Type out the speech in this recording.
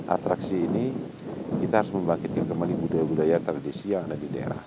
atraksi ini kita harus membangkitkan kembali budaya budaya tradisi yang ada di daerah